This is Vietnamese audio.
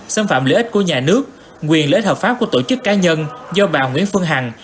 xâm phạm lợi ích của nhà nước quyền lợi ích hợp pháp của tổ chức cá nhân do bà nguyễn phương hằng